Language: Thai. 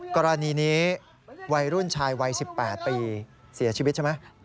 กรณีนี้วัยรุ่นชายวัย๑๘ปีเสียชีวิตใช่ไหม